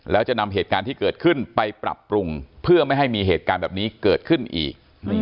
แล้วจะนำเหตุการณ์ที่เกิดขึ้นไปปรับปรุงเพื่อไม่ให้มีเหตุการณ์แบบนี้เกิดขึ้นอีก